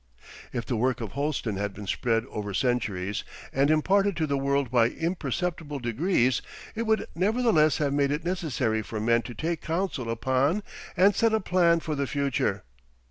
If the work of Holsten had been spread over centuries and imparted to the world by imperceptible degrees, it would nevertheless have made it necessary for men to take counsel upon and set a plan for the future.